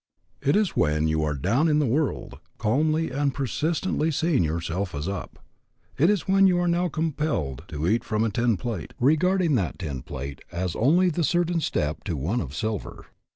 It is when you are 'down in the world,' calmly and persistently seeing yourself as up. It is when you are now compelled to eat from a tin plate, regarding that tin plate as only the certain step to one of silver.